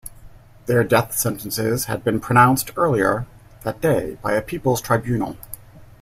Their death sentences had been pronounced earlier that day by a People's Tribunal.